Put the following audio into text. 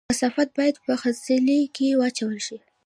کثافات باید په خځلۍ کې واچول شي